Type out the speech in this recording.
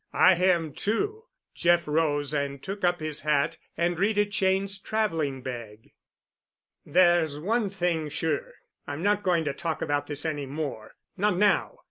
I am, too." Jeff rose and took up his hat and Rita Cheyne's traveling bag. "There's one thing sure: I'm not going to talk about this any more—not now.